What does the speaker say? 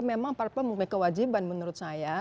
memang para pemilik kewajiban menurut saya